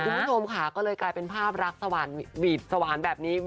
คุณผู้ชมค่ะก็เลยกลายเป็นภาพรักหวีดสวานแบบนี้